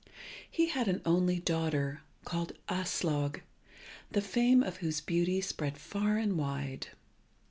He had an only daughter, called Aslog, the fame of whose beauty spread far and wide.